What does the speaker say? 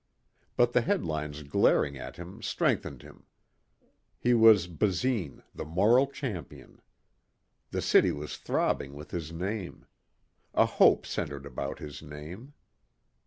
But the headlines glaring at him strengthened him. He was Basine the Moral Champion. The city was throbbing with his name. A hope centered about his name.